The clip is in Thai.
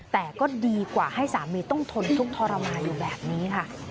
แต่ก็ดีกว่าให้สามีต้องทนทุกข์ทรมานอยู่แบบนี้ค่ะ